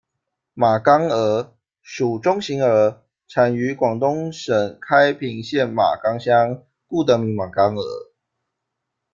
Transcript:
马岗鹅，属中型鹅，产于广东省开平县马岗乡，故得名马岗鹅。